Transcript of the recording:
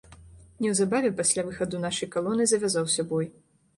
Неўзабаве пасля выхаду нашай калоны завязаўся бой.